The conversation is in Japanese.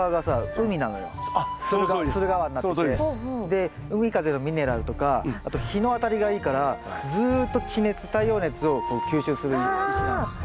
で海風のミネラルとかあと日の当たりがいいからずっと地熱太陽熱を吸収する石なんです。